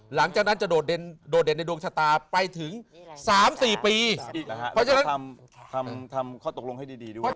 หลังจากนั้นจะโดดเด่นในดวงชะตาไปถึง๓๔ปีก็จะทำข้อตกลงให้ดีด้วย